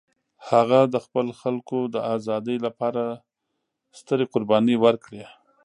هغه د خپل خلکو د ازادۍ لپاره سترې قربانۍ ورکړې.